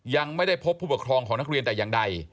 ยังไม่ได้พบผู้ปกครองของนักเรียนแต่อย่างใด